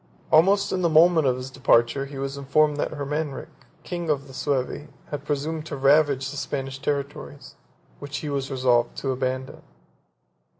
Almost in the moment of his departure he was informed that Hermanric, king of the Suevi, had presumed to ravage the Spanish territories, which he was resolved to abandon.